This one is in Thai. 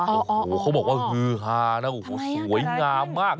โอ้โหเขาบอกว่าฮือฮานะโอ้โหสวยงามมาก